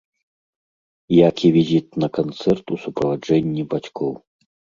Як і візіт на канцэрт у суправаджэнні бацькоў.